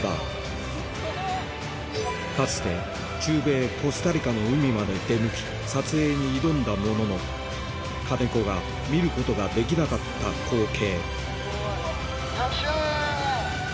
かつて中米コスタリカの海まで出向き撮影に挑んだものの金子が見ることができなかった光景